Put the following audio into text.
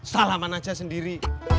salaman aja sendiri